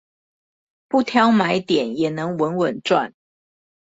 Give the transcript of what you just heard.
不挑買點也能穩穩賺